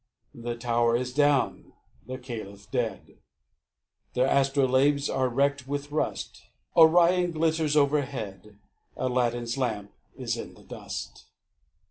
The tower is down, the Caliph dead, Their astrolabes are wrecked with rust. Orion glitters overhead, Aladdin's lamp is in the dust.